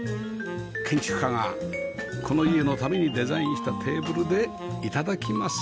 建築家がこの家のためにデザインしたテーブルで頂きます